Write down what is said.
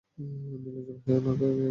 নির্লজ্জ বেহায়া না কি রে এ?